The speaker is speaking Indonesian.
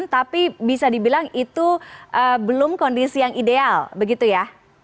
tapi bisa dibilang itu belum kondisi yang ideal begitu ya